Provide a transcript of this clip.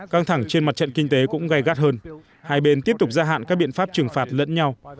căng thẳng trên mặt trận kinh tế cũng gai gắt hơn hai bên tiếp tục gia hạn các biện pháp trừng phạt lẫn nhau